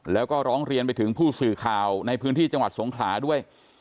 แล้วก็ร้องเรียนไปถึงผู้สื่อข่าวในพื้นที่จังหวัดสงขลาด้วย